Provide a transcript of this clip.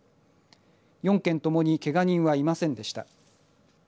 ４件ともにけが人はいませんでした。